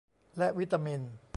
และวิตามิน